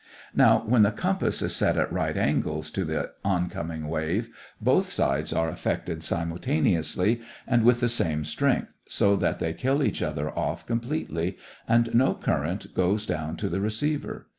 Now when the compass is set at right angles to the oncoming wave, both sides are affected simultaneously and with the same strength, so that they kill each other off completely, and no current goes down to the receiver.